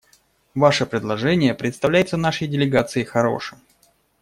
Ваше предложение представляется нашей делегации хорошим.